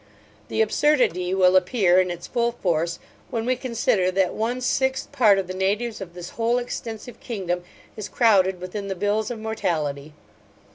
The absurdity will appear in its full force, when we consider that one sixth part of the natives of this whole extensive kingdom is crowded within the bills of mortality.